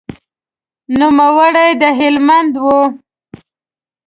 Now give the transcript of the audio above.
نوموړی د هلمند و.